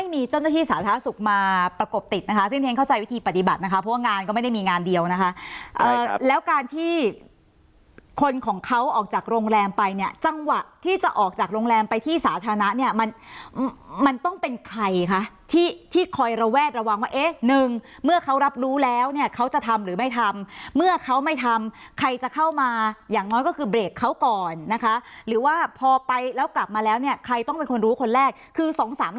มีงานเดียวนะคะเอ่อแล้วการที่คนของเขาออกจากโรงแรมไปเนี้ยจังหวะที่จะออกจากโรงแรมไปที่สาธารณะเนี้ยมันมันต้องเป็นใครคะที่ที่คอยระแวดระวังว่าเอ๊ะหนึ่งเมื่อเขารับรู้แล้วเนี้ยเขาจะทำหรือไม่ทำเมื่อเขาไม่ทำใครจะเข้ามาอย่างน้อยก็คือเขาก่อนนะคะหรือว่าพอไปแล้วกลับมาแล้วเนี้ยใครต้องเป็นคนรู้คนแรกคื